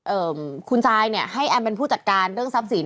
เอ่อคุณซายเนี่ยให้แอมเป็นผู้จัดการเรื่องทรัพย์สิน